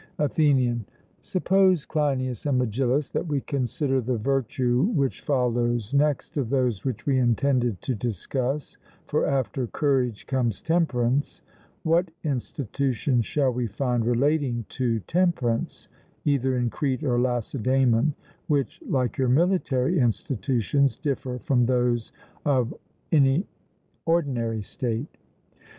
ATHENIAN: Suppose, Cleinias and Megillus, that we consider the virtue which follows next of those which we intended to discuss (for after courage comes temperance), what institutions shall we find relating to temperance, either in Crete or Lacedaemon, which, like your military institutions, differ from those of any ordinary state.